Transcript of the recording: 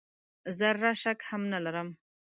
زره شک هم نه لرم .